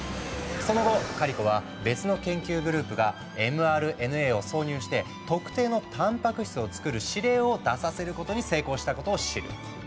その後カリコは別の研究グループがｍＲＮＡを挿入して特定のたんぱく質をつくる指令を出させることに成功したことを知る。